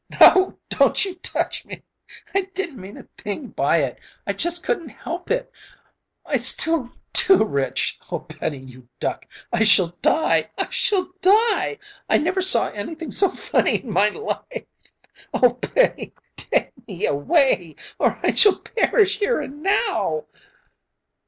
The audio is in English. "No, don't you touch me, I didn't mean a thing by it! I just couldn't help it! It's too, too rich! Oh Penny, you duck! Oh, I shall die! I shall die! I never saw anything so funny in my life! Oh, Penny, take me away or I shall perish here and now!"